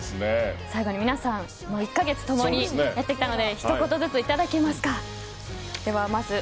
最後に皆さん１か月共にやってきたのでひと言ずついただけますか。